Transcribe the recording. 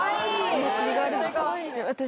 お祭りがあるんですよ。